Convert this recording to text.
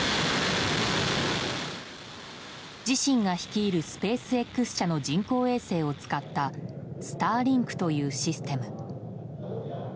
自身が率いるスペースＸ社の人工衛星を使ったスターリンクというシステム。